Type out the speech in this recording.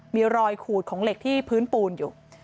มีรอยขูดของเหล็กที่พื้นปูนอยู่